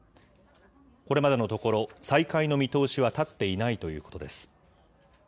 これまでのところ、再開の見通しは立っていないということです。